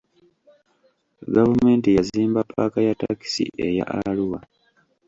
Gavumenti yazimba paaka ya takisi eya Arua.